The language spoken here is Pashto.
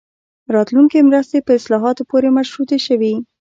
راتلونکې مرستې په اصلاحاتو پورې مشروطې شوې.